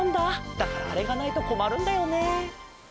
だからあれがないとこまるんだよね。